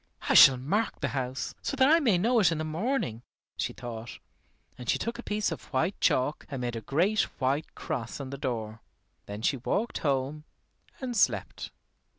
"I shall mark the house, so that I may know it in the morning," she thought. And she took a piece of white chalk and made a great white cross on the door. Then she walked home and slept.